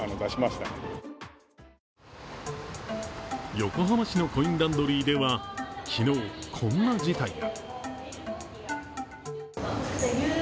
横浜市のコインランドリーでは昨日、こんな事態が。